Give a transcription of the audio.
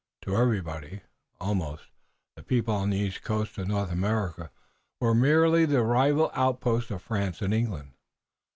To everybody, almost, the people on the east coast of North America were merely the rival outposts of France and England.